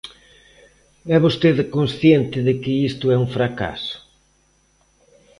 ¿É vostede consciente de que isto é un fracaso?